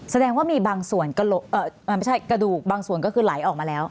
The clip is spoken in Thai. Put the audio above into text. แสดงว่ามีกลุ่กบางส่วนก็ลายออกมาแล้ว